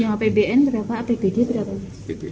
yang apbn berapa apbd berapa